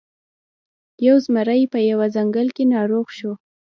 یو زمری په یوه ځنګل کې ناروغ شو.